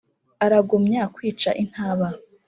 Aragumya kwica intaba .